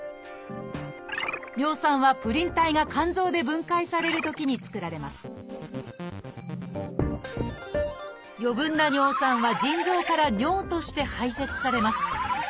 尿酸は「プリン体」が肝臓で分解されるときに作られます余分な尿酸は腎臓から尿として排せつされます